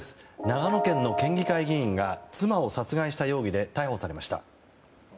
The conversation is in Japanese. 長野県の県議会議員が妻を殺害した容疑で逮捕されました。